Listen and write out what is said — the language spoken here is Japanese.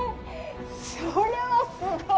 それはすごい！